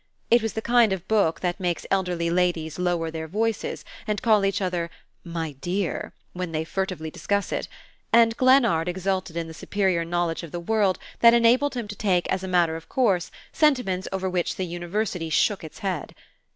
It was the kind of book that makes elderly ladies lower their voices and call each other "my dear" when they furtively discuss it; and Glennard exulted in the superior knowledge of the world that enabled him to take as a matter of course sentiments over which the university shook its head.